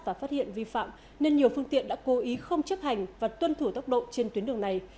và phát hiện vi phạm nên nhiều phương tiện đã cố ý không chấp hành và tuân thủ tốc độ trên tuyến đường này